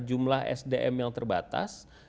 jumlah sdm yang terbatas